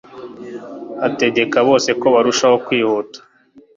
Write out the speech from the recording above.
ategeka bose ko barushaho kwihuta